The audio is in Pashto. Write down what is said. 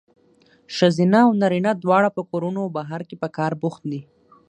ښځینه او نارینه دواړه په کورونو او بهر کې په کار بوخت دي.